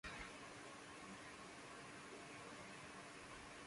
Todas las canciones escritas por Robbie Williams y Guy Chambers, excepto las indicadas.